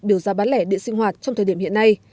biểu giá bán lẻ điện sinh hoạt trong thời điểm hiện nay